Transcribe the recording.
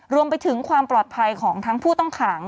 รวมไปถึงความปลอดภัยของทั้งผู้ต้องขัง